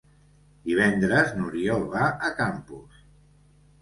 Divendres n'Oriol va a Campos.